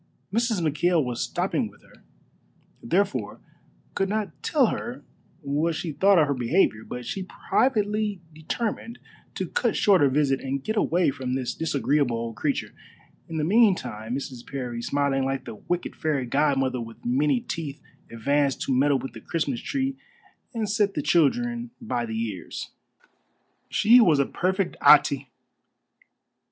Mrs. McKail was stopping with her, therefore could not tell her what she thought of her behavior; but she privately determined to cut short her visit and get away from this disagreeable old creature. In the meantime Mrs. Parry, smiling like the wicked fairy godmother with many teeth, advanced to meddle with the Christmas tree and set the children by the ears. She was a perfect Atê.